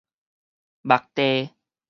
目袋